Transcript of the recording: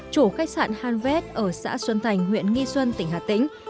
chủ khách sạn hanvet ở xã xuân thành huyện nghi xuân tỉnh hà tĩnh